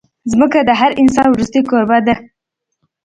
ځمکه د هر انسان وروستۍ کوربه ده.